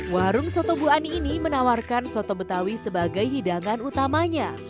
warung soto bu ani ini menawarkan soto betawi sebagai hidangan utamanya